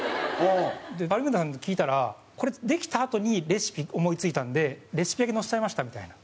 バルミューダさんに聞いたらこれ、できたあとにレシピ思いついたんでレシピだけ載せちゃいましたみたいな。